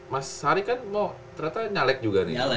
mas hari kan mau ternyata nyalek juga nih